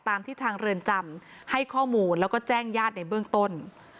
ตามที่ทางเรือนจำให้ข้อมูลแล้วก็แจ้งญาติในเบื้องต้น